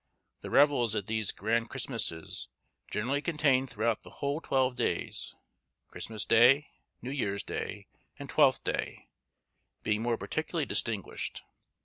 The revels at these Grand Christmasses generally continued throughout the whole twelve days; Christmas Day, New Year's Day, and Twelfth Day, being more particularly distinguished.